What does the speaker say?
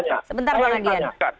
saya yang ditanya